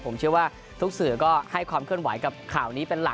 ผมเชื่อว่าทุกสื่อก็ให้ความเคลื่อนไหวกับข่าวนี้เป็นหลัก